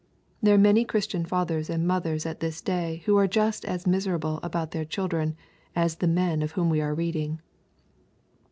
There are many Christian fathers and mothers at this day who are jiist as miserable about their children as the men of whom we are reading.